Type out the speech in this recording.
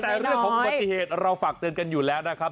แต่เรื่องของอุบัติเหตุเราฝากเตือนกันอยู่แล้วนะครับ